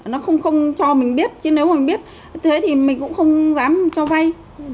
nó không cho mình biết chứ nếu mà biết thế thì mình cũng không dám cho vay